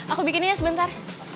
aku bikin aja sebentar